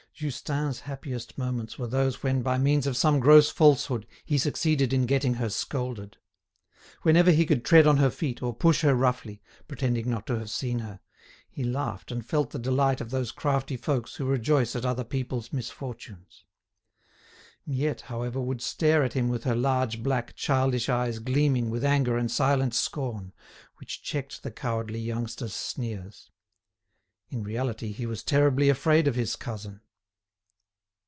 Justin's happiest moments were those when by means of some gross falsehood he succeeded in getting her scolded. Whenever he could tread on her feet, or push her roughly, pretending not to have seen her, he laughed and felt the delight of those crafty folks who rejoice at other people's misfortunes. Miette, however, would stare at him with her large black childish eyes gleaming with anger and silent scorn, which checked the cowardly youngster's sneers. In reality he was terribly afraid of his cousin.